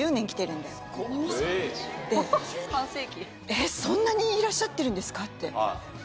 えっそんなにいらっしゃってるんですか？